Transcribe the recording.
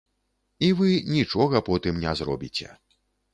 І вы нічога потым не зробіце.